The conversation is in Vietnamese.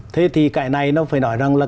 thế thì cái này nó phải nói rằng là